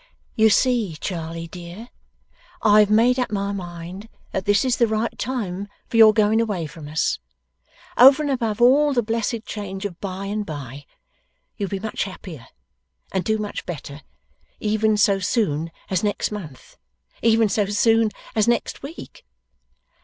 'You see, Charley dear, I have made up my mind that this is the right time for your going away from us. Over and above all the blessed change of by and bye, you'll be much happier, and do much better, even so soon as next month. Even so soon as next week.